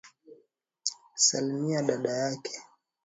Salimia dada yake